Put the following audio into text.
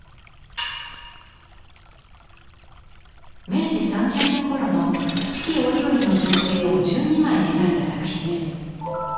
明治３０年頃の四季折々の情景を１２枚描いた作品です。